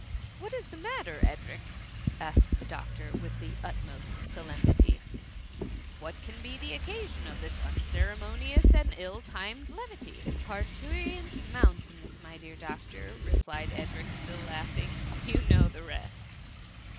"What is the matter, Edric?'' asked the doctor, with the utmost solemnity ;" what can be the occasion of this unceremonious and ill timed levity ?''*' ''Parturient mountains, my dear doctor,' replied Edric, still laughing, —" you know the rest.''